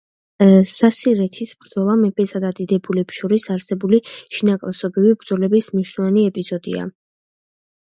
სასირეთის ბრძოლა მეფესა და დიდებულებს შორის არსებული შინაკლასობრივი ბრძოლების მნიშვნელოვანი ეპიზოდია.